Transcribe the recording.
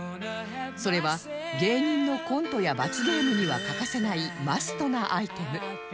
それは芸人のコントや罰ゲームには欠かせないマストなアイテム